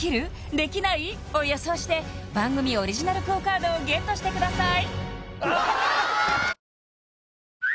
できない？を予想して番組オリジナルＱＵＯカードをＧＥＴしてください